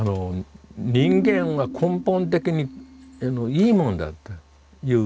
人間は根本的にいいものだという。